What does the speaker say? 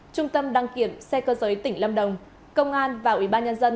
trung tâm đăng kiểm xe cơ giới tỉnh lâm đồng công an và ủy ban nhân dân